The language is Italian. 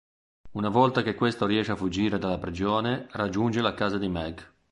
Una volta che questo riesce a fuggire dalla prigione raggiunge la casa di Meg.